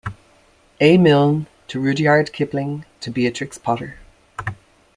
A. Milne to Rudyard Kipling to Beatrix Potter.